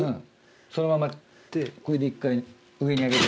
そのままこれで１回上に上げて。